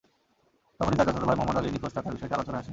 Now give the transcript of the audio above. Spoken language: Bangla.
তখনই তাঁর চাচাতো ভাই মোহাম্মদ আলীর নিখোঁজ থাকার বিষয়টি আলোচনায় আসে।